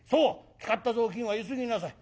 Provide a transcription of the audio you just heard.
使った雑巾はゆすぎなさい。